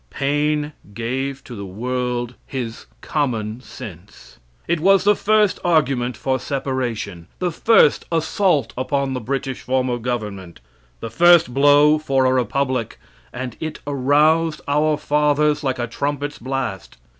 Paine gave to the world his "Common Sense." It was the first argument for separation; the first assault upon the British form of government; the first blow for a republic, and it aroused our fathers like a trumpet's blast.